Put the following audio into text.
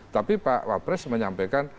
tapi pak wapres menyampaikan